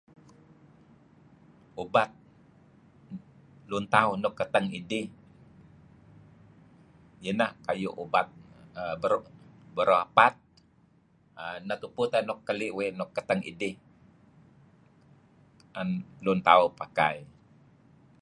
ubat lun tauh nuk keteng idih ieh ineh ku'ayu ubat um beru-beruapad um neh tupu teh nuk keli uih nuk keteng idih ngen lun tauh pakai